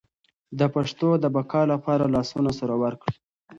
د پښتو د بقا لپاره لاسونه سره ورکړئ.